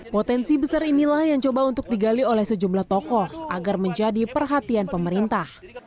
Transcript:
potensi besar inilah yang coba untuk digali oleh sejumlah tokoh agar menjadi perhatian pemerintah